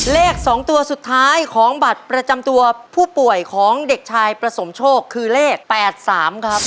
เลข๒ตัวสุดท้ายของบัตรประจำตัวผู้ป่วยของเด็กชายประสมโชคคือเลข๘๓ครับ